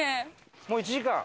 もう１時間？